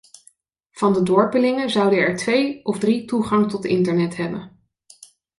Van de dorpelingen zouden er twee of drie toegang tot internet hebben.